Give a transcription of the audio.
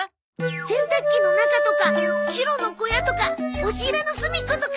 洗濯機の中とかシロの小屋とか押し入れの隅っことか。